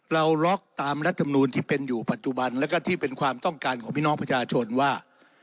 เราล็อกตามรัฐมนูลที่เป็นอยู่ปัจจุบันแล้วก็ที่เป็นความต้องการของพี่น้องประชาชนว่า